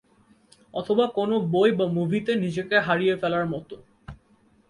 অথবা কোন বই বা মুভিতে নিজেকে হারিয়ে ফেলার মত।